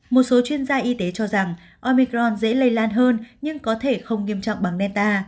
một số chuyên gia y tế cho rằng omicron dễ lây lan hơn nhưng có thể không nghiêm trọng bằng nelta